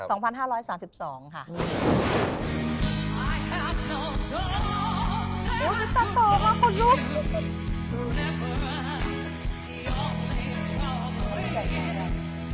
โอ้ชิคกี้พายต่อก็มั่งคุณลูก